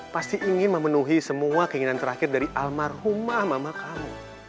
pasti ingin memenuhi semua keinginan terakhir dari almarhumah mama kamu